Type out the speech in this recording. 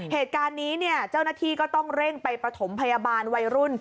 เหตุการณ์นี้เนี่ยเจ้าหน้าที่ก็ต้องเร่งไปประถมพยาบาลวัยรุ่น